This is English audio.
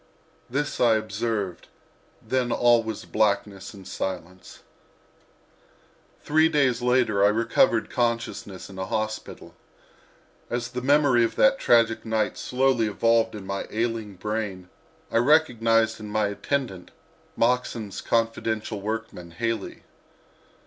This I observed, then all was blackness and silence. Three days later I recovered consciousness in a hospital. As the memory of that tragic night slowly evolved in my ailing brain recognized in my attendant Moxon's confidential workman, Haley.